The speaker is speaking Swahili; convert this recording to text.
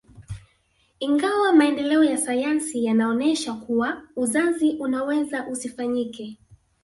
Ingawa maendeleo ya sayansi yanaonesha kuwa uzazi unaweza usifanyike